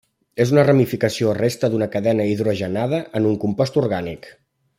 És una ramificació o resta d'una cadena hidrogenada en un compost orgànic.